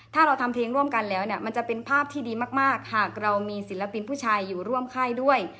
ถ้าเราทำเพลงร่วมกันแล้วเนี่ยมันจะเป็นภาพที่ดีมากหากเรามีศิลปินผู้ชายอยู่ร่วมค่ายด้วย